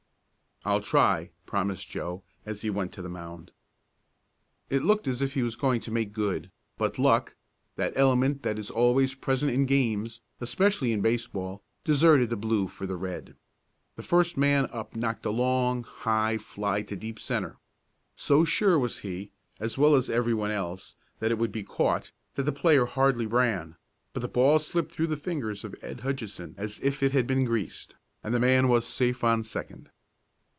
"I'll try," promised Joe, as he went to the mound. It looked as if he was going to make good, but luck, that element that is always present in games, especially in baseball, deserted the blue for the red. The first man up knocked a long, high fly to deep centre. So sure was he, as well as everyone else, that it would be caught, that the player hardly ran, but the ball slipped through the fingers of Ed. Hutchinson as if it had been greased, and the man was safe on second.